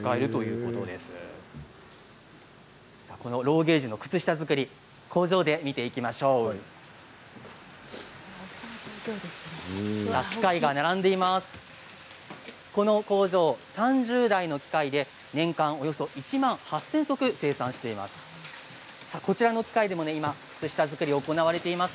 この工場、３０台の機械で年間およそ１万８０００足生産しています。